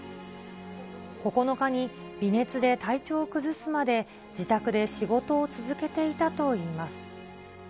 ９日に微熱で体調を崩すまで、自宅で仕事を続けていたといいます。